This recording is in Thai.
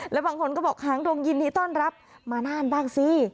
แล้วบางคนก็บอกหางดงยินดีต้อนรับมาน่านบ้างสิ